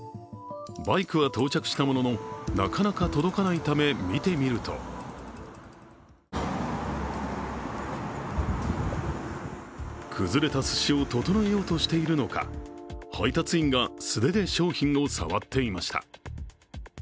バイクは到着したもののなかなか届かないため見てみると崩れたすしを整えようとしているのか配達員が素手で商品を触っていました。